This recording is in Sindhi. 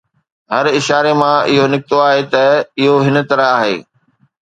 هر اشاري مان اهو نڪتو آهي ته اهو هن طرح آهي